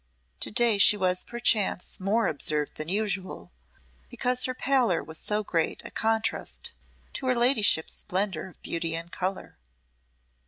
To day she was perchance more observed than usual, because her pallor was so great a contrast to her ladyship's splendour of beauty and colour.